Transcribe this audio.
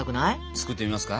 作ってみますか？